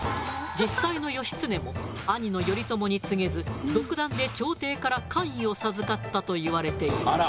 実際の義経も兄の頼朝に告げず独断で朝廷から官位を授かったといわれている。